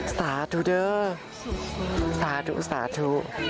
สาธุเด้อสาธุ